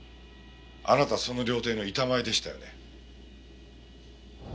あなたその料亭の板前でしたよね？